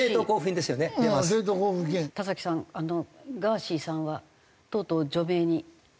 田さんガーシーさんはとうとう除名になり。